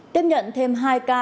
tiếp nhận thêm hai ca